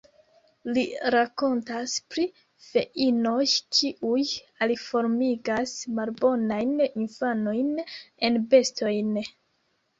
Li rakontas pri feinoj, kiuj aliformigas malbonajn infanojn en bestojn.